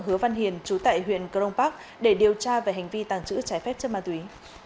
hứa văn hiền chú tại huyện crong park để điều tra về hành vi tàng trữ trái phép chất ma túy